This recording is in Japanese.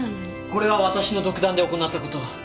これはわたしの独断で行ったこと。